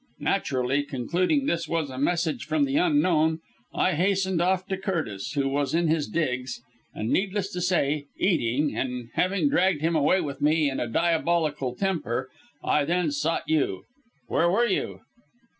Naturally, concluding this was a message from the Unknown I hastened off to Curtis, who was in his digs and needless to say eating, and having dragged him away with me in a diabolical temper I then sought you. Where were you?"